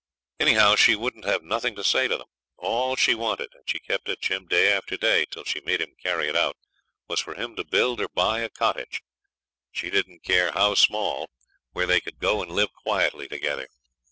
Anyhow she wouldn't have nothing to say to them. All she wanted and she kept at Jim day after day till she made him carry it out was for him to build or buy a cottage, she didn't care how small, where they could go and live quietly together.